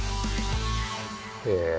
へえ。